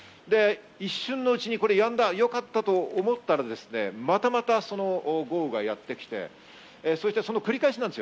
一瞬のうちにやんだよかったと思ったらまたまた豪雨がやってきて、その繰り返しです。